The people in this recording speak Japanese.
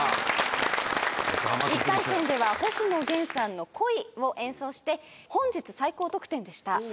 １回戦では星野源さんの『恋』を演奏して本日最高得点でした。